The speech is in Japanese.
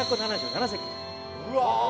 ２７７席うわっ！